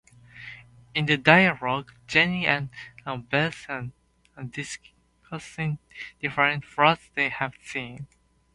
In the dialogue, Jenny and Beth are discussing different flats they have seen.